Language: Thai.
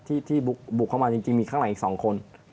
ที่บุกเข้ามาจริงมีข้างหลังอีก๒คน